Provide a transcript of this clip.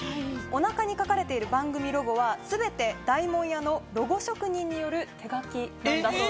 お腹に書かれている番組ロゴは全て大門屋のロゴ職人による手書きなんだそうです。